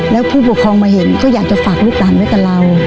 แล้วผู้ปกครองมาเห็นก็อยากจะฝากลูกหลานไว้กับเรา